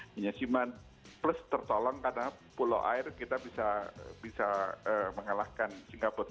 hanya siman plus tertolong karena pulau air kita bisa mengalahkan singapura